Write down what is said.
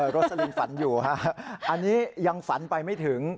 โรสลินฝันอยู่ฮะอันนี้ยังฝันไปไม่ถึง